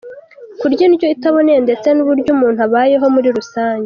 Kurya indyo itaboneye ndetse n’uburyo umuntu abayeho muri rusange.